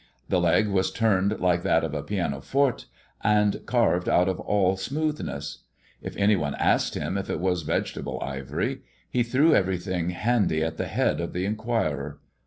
The leg was turned like that of a pianoforte, and carved out of all smoothness. If any one asked him if it was vegetable ivory he threw everything handy at the head of the inquirer.